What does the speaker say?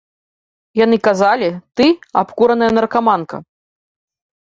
Яны казалі, ты — абкураная наркаманка.